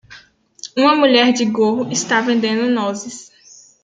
Uma mulher de gorro está vendendo nozes.